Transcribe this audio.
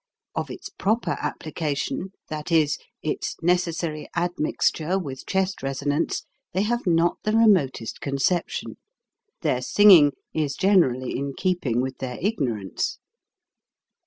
Of its proper application, that is, its necessary ad mixture with chest resonance, they have not the remotest conception. Their singing is gen erally in keeping with their ignorance.